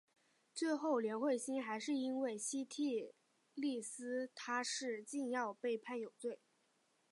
最后连惠心还是因为西替利司他是禁药被判有罪。